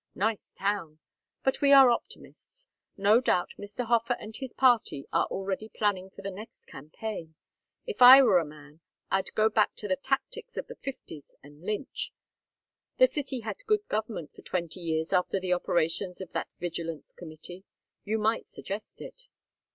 Nice town. But we are optimists. No doubt Mr. Hofer and his party are already planning for the next campaign. If I were a man, I'd go back to the tactics of the Fifties and lynch. The city had good government for twenty years after the operations of that Vigilance Committee. You might suggest it."